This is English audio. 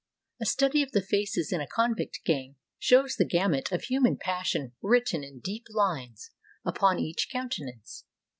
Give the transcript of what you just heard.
A study of the faces in a convict gang shows the gamut of human passion written in deep lines upon each countenance.